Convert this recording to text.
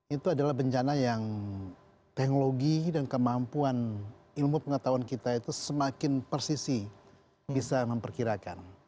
itu adalah bencana yang teknologi dan kemampuan ilmu pengetahuan kita itu semakin persisi bisa memperkirakan